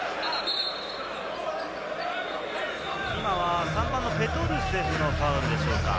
今は３番のペトルセフのファウルでしょうか？